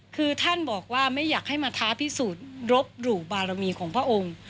คือท่านบอกว่าไม่อยากให้มาท้าพิสูจน์รบหลู่บารมีของพระองค์